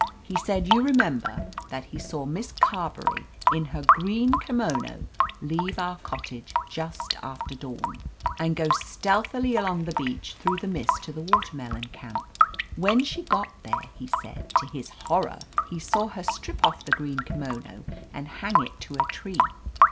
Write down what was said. He said, you remember, that he saw. Miss Carberry in her green kimono leave our cottage just after dawn and go stealthily along 343 THE AMAZING ADVENTURES the beach through the mist to the Watermelon Camp. When she got there, he said, to his horror he saw her strip off the green kimono and hang it to a tree.